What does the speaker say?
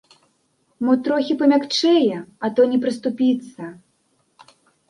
Мо трохі памякчэе, а то не прыступіцца.